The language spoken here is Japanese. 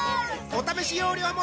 お試し容量も